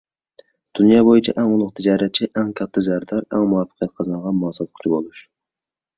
دۇنيا بويىچە ئەڭ ئۇلۇغ تىجارەتچى، ئەڭ كاتتا زەردار، ئەڭ مۇۋەپپەقىيەت قازانغان مال ساتقۇچى بولۇش.